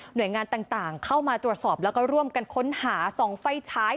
โดยงานต่างเข้ามาตรวจสอบแล้วก็ร่วมกันค้นหาสองไฟฉาย